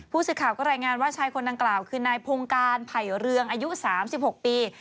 ผู้สื่อข่าวก็รายงานว่าชายคนดังกล่าวคือนายพงการไผ่เรืองอายุ๓๖ปี